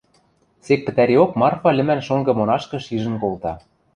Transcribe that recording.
Сек пӹтӓриок Марфа лӹмӓн шонгы монашкы шижӹн колта.